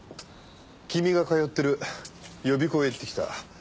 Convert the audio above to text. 君が通ってる予備校へ行ってきた。